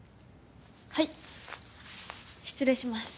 はい失礼します